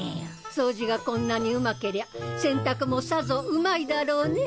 掃除がこんなにうまけりゃ洗濯もさぞうまいだろうねぇ。